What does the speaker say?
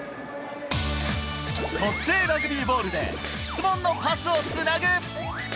特製ラグビーボールで質問のパスをつなぐ。